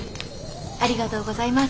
ありがとうございます。